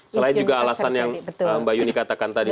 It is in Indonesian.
selain juga alasan yang mbak yuni katakan tadi